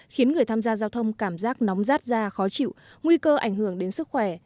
khiến người tham gia giao thông cảm giác nóng rát ra khó chịu nguy cơ ảnh hưởng đến sức khỏe